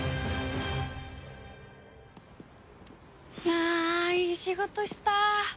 あいい仕事した。